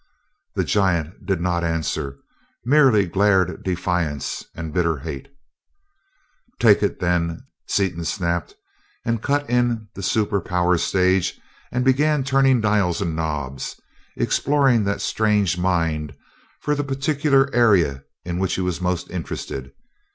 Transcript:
The giant did not answer, merely glared defiance and bitter hate. "Take it, then!" Seaton snapped, and cut in the super power stage and began turning dials and knobs, exploring that strange mind for the particular area in which he was most interested.